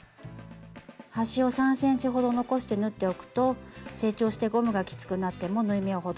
端を３ｃｍほど残して縫っておくと成長してゴムがきつくなっても縫い目をほどいて調整できます。